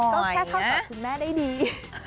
ก็แค่เข้าใจคุณแม่ได้ดี